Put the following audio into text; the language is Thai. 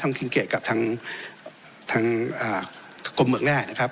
ทั้งคิงเกตกับทางทางอ่ากรมเมืองแรกนะครับ